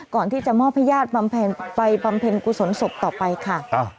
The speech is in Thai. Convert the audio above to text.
ก่อนที่จะมอบพระญาติไปปรัมเพลงกุศลศพต่อไปค่ะ